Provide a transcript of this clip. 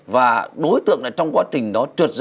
và đối tượng trong quá trình đó chỉ là những hành vi phạm tội nhỏ